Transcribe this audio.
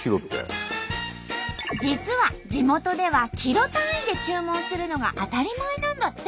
実は地元ではキロ単位で注文するのが当たり前なんだって！